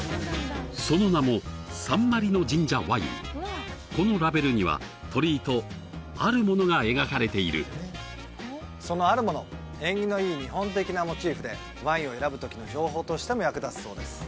その名もサンマリノ神社ワインこのラベルには鳥居とあるものが描かれているそのあるもの縁起のいい日本的なモチーフでワインを選ぶときの情報としても役立つそうです